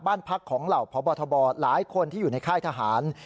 บ้านพักของเหล่าพบทบหลายคนที่อยู่ในค่ายทหาร